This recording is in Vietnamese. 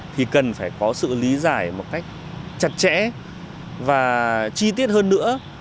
thì cần phải có sự lý giải một cách chặt chẽ và chi tiết hơn nữa